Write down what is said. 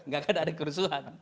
gak akan ada kerusuhan